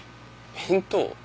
弁当？